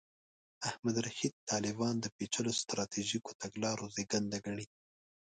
احمد رشید طالبان د پېچلو سټراټیژیکو تګلارو زېږنده ګڼي.